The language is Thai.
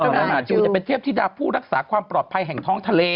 แม่หมาจูจะเป็นเทพธิดาผู้รักษาความปลอดภัยแห่งท้องทะเล